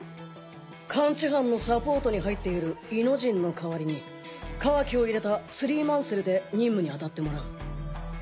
感知班のサポートに入っているいのじんの代わりにカワキを入れたスリーマンセルで任務に当たってもらう。